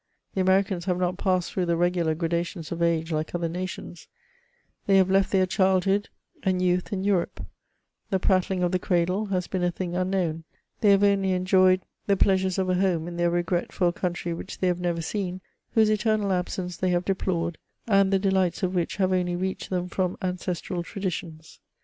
The Amerinans have not passed through the regular gradations of age like other nations ; they have left their childhood and youth 298 ' MEMOIRS OF in Europe ; the prattling of the cradle has been a thing unknown ; they have only enjoyed the pleasures of a home in their regret for a country which they have never seen, whose eternal absence they have deplored, and the delights of which have only reached them from ancestral traditions.